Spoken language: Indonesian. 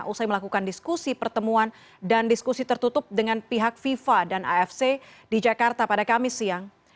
usai melakukan diskusi pertemuan dan diskusi tertutup dengan pihak fifa dan afc di jakarta pada kamis siang